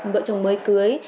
vợ chồng mới cưới